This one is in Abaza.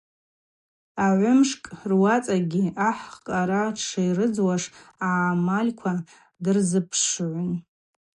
Агӏвымшкӏ руацӏагьи ахӏ Къара дширыдзуашыз агӏамальква дырзыпшгӏун.